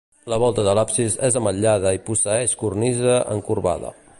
La volta de l'absis és ametllada i posseeix cornisa encorbada.